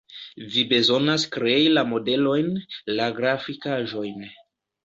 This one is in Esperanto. Vi bezonas krei la modelojn, la grafikaĵojn